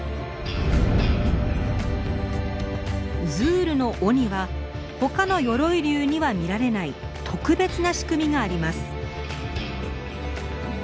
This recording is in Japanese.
ズールの尾にはほかの鎧竜には見られない特別な仕組みがあります。